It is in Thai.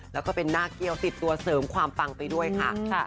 แล้วก็เป็นหน้าเกี้ยวติดตัวเสริมความปังไปด้วยค่ะ